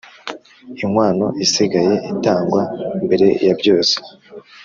Inkwano isigaye itangwa mbere yabyose